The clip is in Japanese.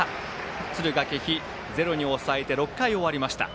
敦賀気比、ゼロに抑えて６回終わりました。